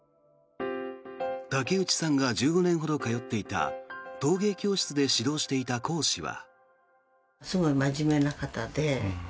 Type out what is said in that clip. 竹内さんが１５年ほど通っていた陶芸教室で指導していた講師は。